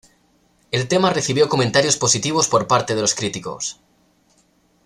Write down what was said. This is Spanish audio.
El tema recibió comentarios positivos por parte de los críticos.